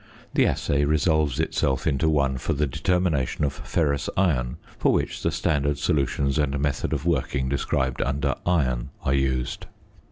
The assay resolves itself into one for the determination of ferrous iron, for which the standard solutions and method of working described under Iron are used.